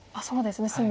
そうですね